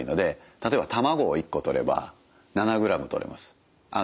例えば卵を１個とれば７ｇとれます。